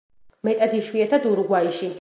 მეტად იშვიათად ურუგვაიში.